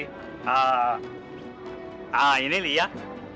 nah ini lihat